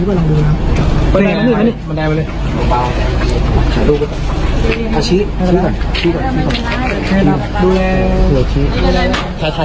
เฮ้ยมีอะไรนะครับเดี๋ยวแม่ดูก่อนนะ